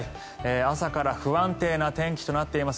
朝から不安定な天気となっています。